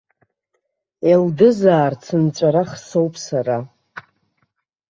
Елдызаа рцынҵәарах соуп сара.